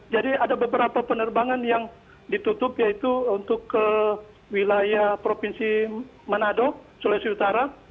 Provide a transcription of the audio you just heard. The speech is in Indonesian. ada beberapa penerbangan yang ditutup yaitu untuk ke wilayah provinsi manado sulawesi utara